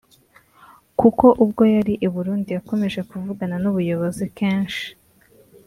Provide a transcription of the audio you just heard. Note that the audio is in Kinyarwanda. kuko ubwo yari i Burundi yakomeje kuvugana n’Ubuyobozi kenshi